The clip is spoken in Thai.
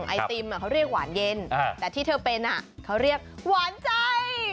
ไอติมเขาเรียกหวานเย็นแต่ที่เธอเป็นเขาเรียกหวานใจ